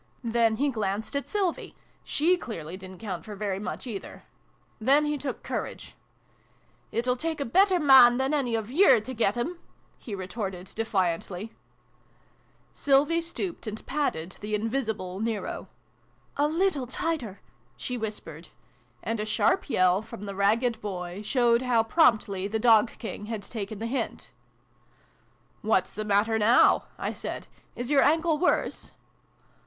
Then he glanced at Sylvie : she clearly didn't count for very much, either. Then he took courage. " It'll take a better man than any of yer to get 'em !" he retorted defiantly. 62 SYLVIE AND BRUNO CONCLUDED. iv] THE DOG KING. 63 Sylvie stooped and patted the invisible Nero. " A little tighter !" she whispered. And a sharp yell from the ragged boy showed how promptly the Dog King had taken the hint. " What's the matter now?" I said. "Is your ankle worse